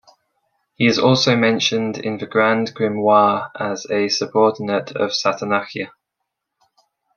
He is also mentioned in Grand Grimoire as subordinate of Satanachia.